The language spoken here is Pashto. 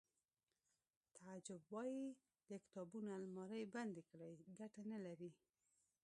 تعجب وایی د کتابونو المارۍ بندې کړئ ګټه نلري